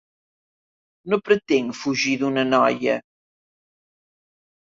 No pretenc fugir d'una noia.